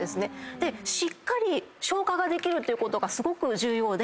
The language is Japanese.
しっかり消化ができることがすごく重要で。